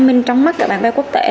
mình trong mắt của bàn vai quốc tế